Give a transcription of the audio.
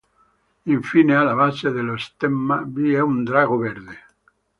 Infine, alla base dello stemma, vi è un drago verde.